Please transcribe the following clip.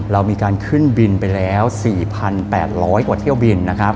เรามีการขึ้นบินไปแล้ว๔๘๐๐กว่าเที่ยวบินนะครับ